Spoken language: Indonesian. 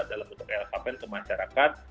dalam bentuk lhkpn ke masyarakat